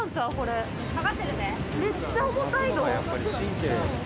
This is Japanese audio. めっちゃ重たい。